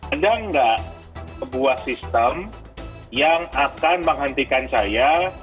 ada nggak sebuah sistem yang akan menghentikan saya